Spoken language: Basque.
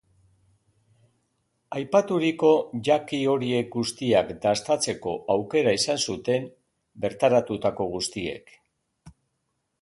Aipaturiko jaki horiek guztiak dastatzeko aukera izan zuten bertaratutako guztiek.